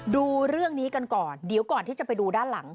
ดูเรื่องนี้กันก่อนเดี๋ยวก่อนที่จะไปดูด้านหลัง